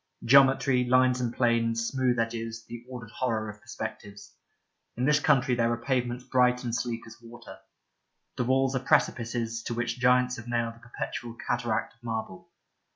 Geometry, lines and planes, smooth edges, the ordered horror of perspectives. In this country there are pavements bright and sleek as water. The walls are precipices to which giants have nailed a perpetual cataract of marble.